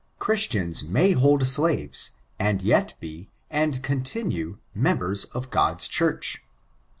Christians may hold slaves, and yet be, and continue, members of God's Church.